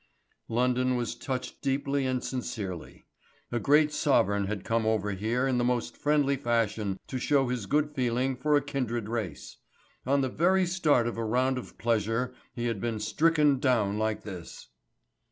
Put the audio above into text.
London was touched deeply and sincerely. A great sovereign had come over here in the most friendly fashion to show his good feeling for a kindred race. On the very start of a round of pleasure he had been stricken down like this.